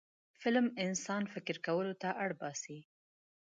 فلم انسان فکر کولو ته اړ باسي